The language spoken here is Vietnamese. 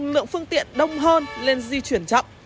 lượng phương tiện đông hơn lên di chuyển chậm